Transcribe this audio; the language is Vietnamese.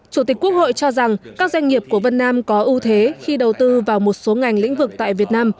chủ tịch quốc hội cho rằng các doanh nghiệp của vân nam có ưu thế khi đầu tư vào một số ngành lĩnh vực tại việt nam